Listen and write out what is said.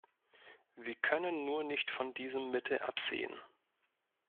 Wir können nur nicht von diesem Mittel absehen.